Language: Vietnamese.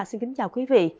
xin kính chào quý vị